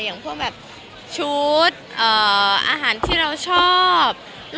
อย่างพวกแบบชุดอาหารที่เราชอบ